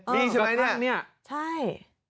นี่ใช่ไหมเนี่ยใช่